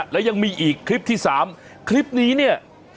และยังมีอีกคลิปที่๓คลิปนี้เนี่ย